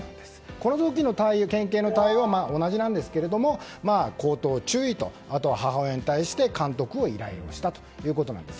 この時の県警の対応は同じなんですけれども口頭注意とあとは母親に対して監督の依頼をしたということです。